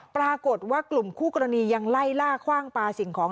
ปรากฏว่ากลุ่มคู่กรณียังไล่ล่าคว่างปลาสิ่งของ